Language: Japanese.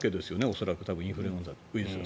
恐らくインフルエンザウイルスが。